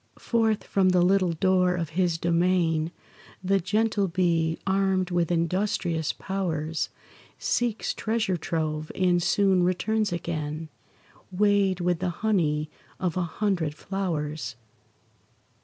Forth from the little door of his domain The gentle bee, armed with industrious powers, Seeks treasure trove, and soon returns again, Weighed with the honey of a hundred flowers.